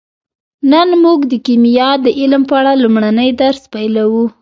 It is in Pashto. نن موږ د کیمیا د علم په اړه لومړنی درس پیلوو